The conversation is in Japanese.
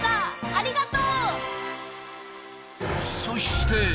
ありがとう！